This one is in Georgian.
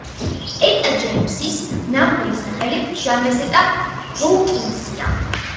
ეტა ჯეიმსის ნამდვილი სახელი ჯამესეტა ჰოუკინგსია.